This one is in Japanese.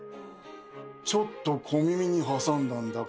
ちょっと小耳に挟んだんだが。